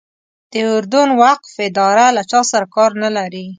د اردن وقف اداره له چا سره کار نه لري.